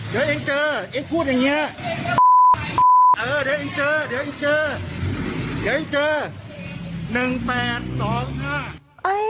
เดี๋ยวเองเจอ๑๘๒๕